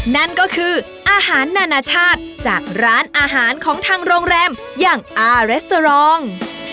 นั่นก็คืออาหารนานาชาติจากร้านอาหารของทางโรงแรมอย่างอาเรสเตอรอง